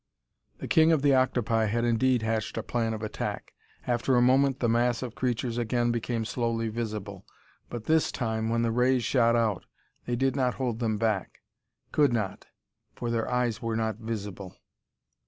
The king of the octopi had indeed hatched a plan of attack. After a moment the mass of creatures again became slowly visible, but this time when the rays shot out they did not hold them back. Could not for their eyes were not visible.